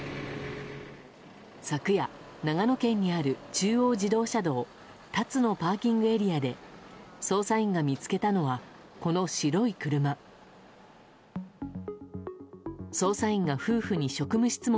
昨夜、長野県にある中央自動車道辰野ＰＡで捜査員が見つけたのはこの白い車。